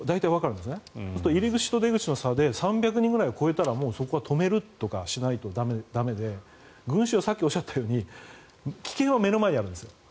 そうすると入り口と出口の差で３００人ぐらいを超えたらもう止めるとしないと駄目で群衆はさっきおっしゃったように危険は目の前にあるんです。